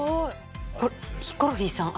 これヒコロヒーさん